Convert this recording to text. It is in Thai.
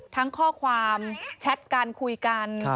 ทั้งข้อความแชทกันคุยกัน